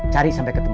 cari sampai ketemu